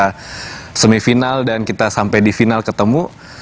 kita semifinal dan kita sampai di final ketemu